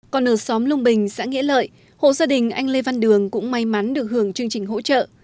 còn ở xóm lung bình xã nghĩa lợi hộ gia đình anh lê văn đường cũng may mắn được hưởng chương trình hỗ trợ